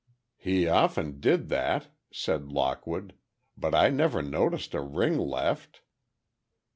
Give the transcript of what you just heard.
"He often did that," said Lockwood, "but I never noticed a ring left."